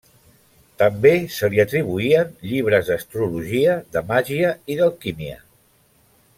També se li atribuïen llibres d'astrologia, de màgia i d'alquímia.